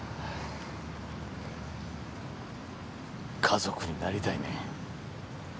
家族になりたいねん。